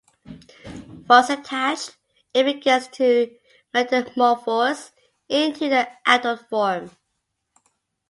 Once attached, it begins to metamorphose into the adult form.